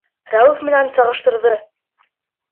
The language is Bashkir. Рәүеф менән сағыштырҙы.